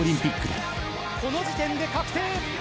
「この時点で確定！」